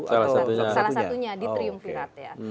salah satunya di triumvirat ya